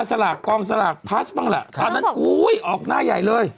ไปเกาทิ์มากเลย